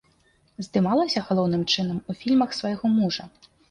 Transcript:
Здымалася галоўным чынам у фільмах свайго мужа.